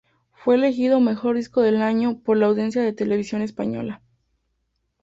Fue elegido mejor disco del año por la audiencia de Televisión Española.